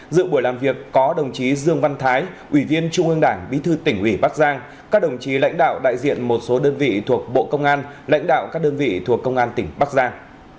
dự buổi làm việc có đồng chí dương văn thái ủy viên trung ương đảng bí thư tỉnh ủy bắc giang các đồng chí lãnh đạo đại diện một số đơn vị thuộc bộ công an lãnh đạo các đơn vị thuộc công an tỉnh bắc giang